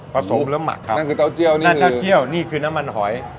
สมแล้วหมักครับนั่นคือเต้าเจียวนี่นั่นเต้าเจี่ยวนี่คือน้ำมันหอย